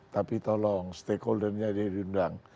tapi tolong stakeholder nya diundang